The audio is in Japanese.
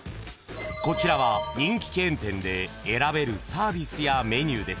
［こちらは人気チェーン店で選べるサービスやメニューです］